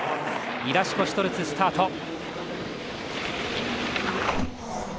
イラシュコシュトルツスタート。